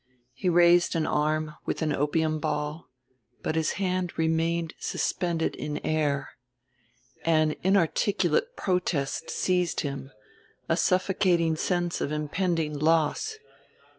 He raised an arm with an opium ball, but his hand remained suspended in air. An inarticulate protest seized him, a suffocating sense of impending loss.